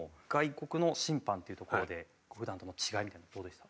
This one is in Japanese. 外国の審判っていうところで普段との違いみたいなのはどうでした？